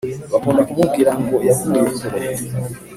Bakunda kumubwira ngo yavuye kure